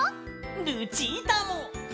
ルチータも！